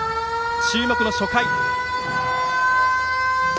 注目の初回。